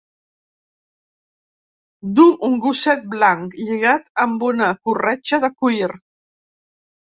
Du un gosset blanc lligat amb una corretja de cuir.